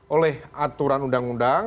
oleh aturan undang undang